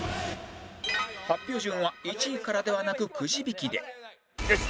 発表順は１位からではなくクジ引きで